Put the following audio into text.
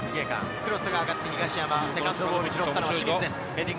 クロスが上がって東山、セカンドボール、拾ったのは清水です。